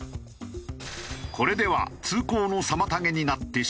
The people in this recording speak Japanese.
これでは通行の妨げになってしまう。